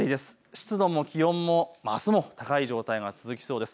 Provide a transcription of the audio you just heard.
湿度も気温もあすも高い状態が続きそうです。